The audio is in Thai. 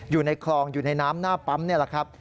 อยู่ในคลองอยู่ในน้ำหน้าปั๊มนี่แหละครับ